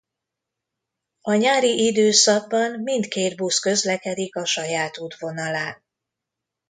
A nyári időszakban mindkét busz közlekedik a saját útvonalán.